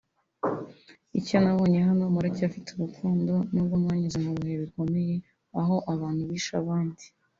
Icyo nabonye hano muracyafite urukundo nubwo mwanyuze mu bihe bikomeye aho abantu bishe abandi